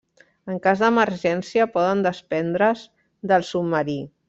En cas d'emergència poden despendre's del submarí.